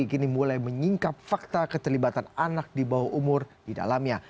kini mulai menyingkap fakta keterlibatan anak di bawah umur di dalamnya